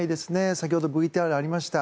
先ほどＶＴＲにありました。